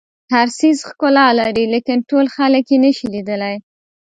هر څیز ښکلا لري لیکن ټول خلک یې نه شي لیدلی.